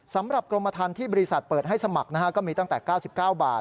กรมธรรมที่บริษัทเปิดให้สมัครก็มีตั้งแต่๙๙บาท